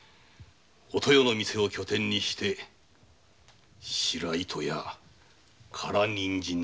お豊の店を拠点にして白糸や唐人参の抜け荷を致す。